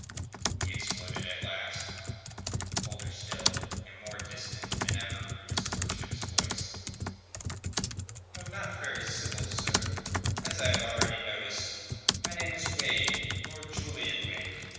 he exploded at last. Colder still and more distant than ever grew his lordship's voice. "You're not very civil, sir, as I have already noticed. My name is Wade Lord Julian Wade.